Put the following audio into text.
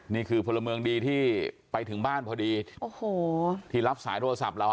นี่คือพลเมืองดีที่ไปถึงบ้านพอดีโอ้โหที่รับสายโทรศัพท์เราอ่ะ